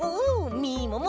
みもも。